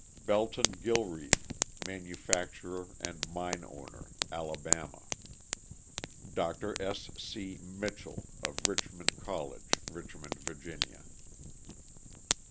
Belton Gilreath, manufacturer and mine owner, Alabama. Dr. S. C. Mitchell, of Richmond College, Richmond, Va.